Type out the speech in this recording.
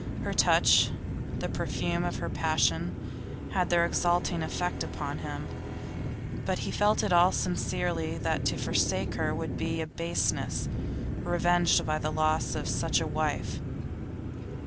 Her touch, the perfume of her passion, had their exalting effect upon him. He felt in all sincerity that to forsake her would be a baseness, revenged by the loss of such a wife.